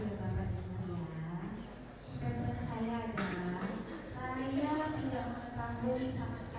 itu yang ada di rose beach se parabat